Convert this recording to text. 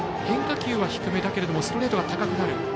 変化球は低めだけれどもストレートは高くなる。